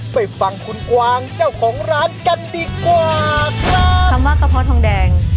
ไปฟังคุณกวางเจ้าของร้านกันดีกว่าครับคำว่ากระเพาะทองแดง